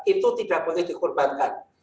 itu tidak boleh dikorbankan